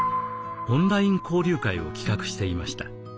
オンライン交流会を企画していました。